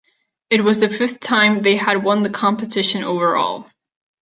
It was the fifth time they had won the competition overall.